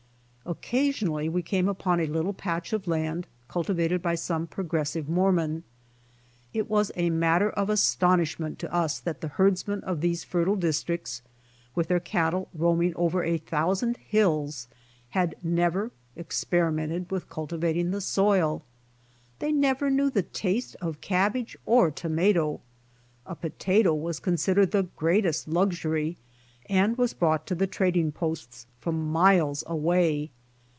Occasionally we came upon a little patch of land cultivated by some progressive Mormon. It was a matter of astonishment to us that the herdsmen of these fertile districts, with their cattle roaming over a thousand hills, had never experi mented with cultivating the soil. They never knew the taste of cabbage or tomato. A potato was con sidered the greatest luxury, and was brought to the trading posts from miles away.